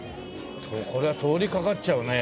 これは通りかかっちゃうね。